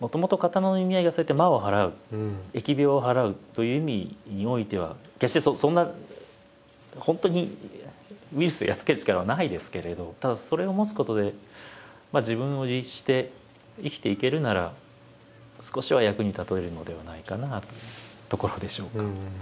もともとという意味においては決してそんな本当にウイルスをやっつける力はないですけれどただそれを持つことで自分を律して生きていけるなら少しは役に立てるのではないかなというところでしょうか。